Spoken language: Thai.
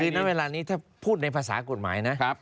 คือณเวลานี้ถ้าพูดในภาษากฎหมายนะ